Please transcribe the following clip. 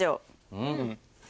うん。